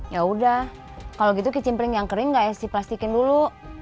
ya udah kalau gitu kicimpling yang kering gak ya si plastikin dulu